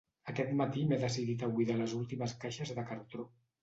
Aquest matí m’he decidit a buidar les últimes caixes de cartró.